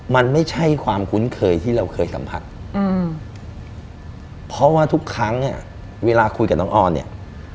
มันไม่ใช่ความคุ้นเคยที่เราเคยสัมผัสเพราะว่าทุกครั้งเวลาคุยกับน้องออนเนี่ย